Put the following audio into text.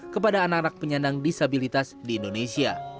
kepada anak anak penyandang disabilitas di indonesia